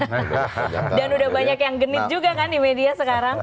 dan udah banyak yang genit juga kan di media sekarang